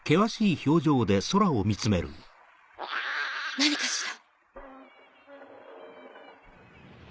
何かしら。